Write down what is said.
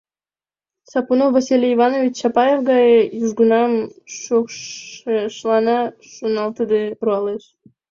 Сапунов Василий Иванович Чапаев гае, южгунам шокшешлана, шоналтыде руалеш.